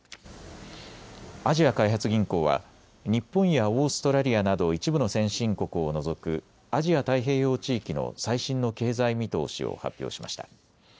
アジア開発銀行は日本やオーストラリアなど一部の先進国を除くアジア太平洋地域の最新の経済見通しを発表しました。